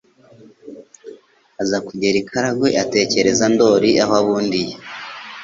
Aza kugera i Karagwe , atekerereza Ndoli aho abundiye